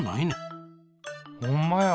ほんまや。